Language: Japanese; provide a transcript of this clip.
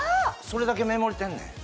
それだけメモれてんねん